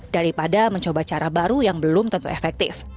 daripada mencoba cara baru yang belum tentu efektif